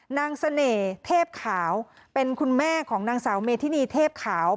นางเสน่ห์เทพขาวเป็นคุณแม่ของนางสาวเมธินีเทพขาว